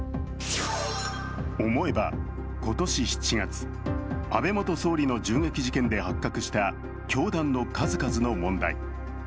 思えば今年７月、安倍元総理の銃撃事件で発覚した教団の数々の問題。